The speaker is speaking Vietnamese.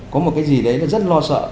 có một cái gì đấy rất lo sợ